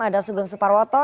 ada sugeng suparwoto